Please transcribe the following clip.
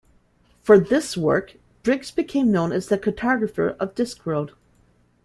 For this work, Briggs became known as the cartographer of Discworld.